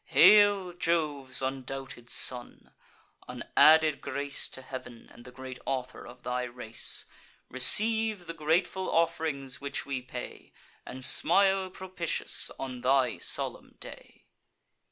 Hail, Jove's undoubted son! an added grace To heav'n and the great author of thy race! Receive the grateful off'rings which we pay, And smile propitious on thy solemn day!"